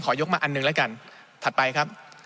ยกมาอันหนึ่งแล้วกันถัดไปครับ